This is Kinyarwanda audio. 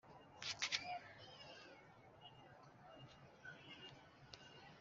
ijambo ry Imana yacu ryo rizahoraho iteka ryose